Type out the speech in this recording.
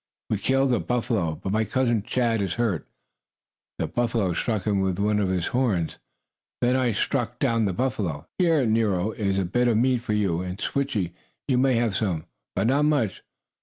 "We killed a buffalo, but my cousin, Chaw, is hurt. The buffalo stuck him with one of his horns. Then I struck down the buffalo. Here, Nero, is a bit of meat for you, and, Switchie, you may have some. But not much.